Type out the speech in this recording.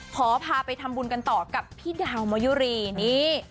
ขอพาไปทำบุญกันต่อกับพี่ดาวมะยุรีนี่